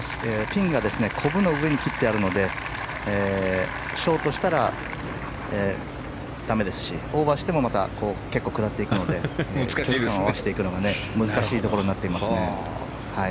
ピンがこぶに上に切ってあるのでショートしたらだめですしオーバーしてもまた結構、下っていくので距離を合わせていくのが難しいところになっていますね。